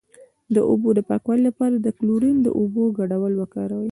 د اوبو د پاکوالي لپاره د کلورین او اوبو ګډول وکاروئ